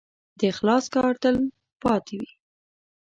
د اخلاص کار تل پاتې وي.